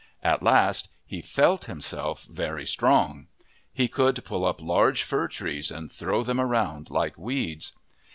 At last he felt himself very strong. He could pull up large fir trees and throw them around like weeds.